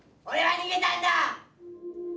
俺は逃げたんだ！